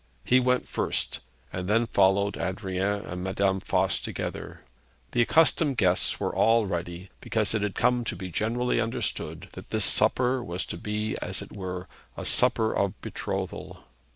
He went first, and then followed Adrian and Madame Voss together. The accustomed guests were all ready, because it had come to be generally understood that this supper was to be as it were a supper of betrothal.